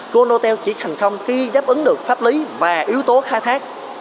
connotel chỉ thành công khi đáp ứng được pháp lý và yếu tố khai thác